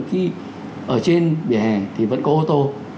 khi ở trên vỉa hè thì vẫn có ô tô